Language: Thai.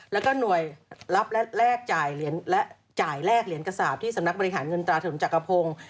แล้วก็หน่วยรับและจ่ายแลกเหรียญกระสาปที่สำนักบริหารเงินตราถนนจักรพงศ์